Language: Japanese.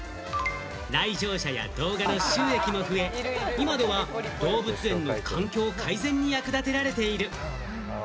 来場者や動画の収益も増え、今では動物園の環境改善に役立てられている。